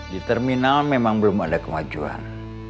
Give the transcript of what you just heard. di terminal memang belum ada kemajuan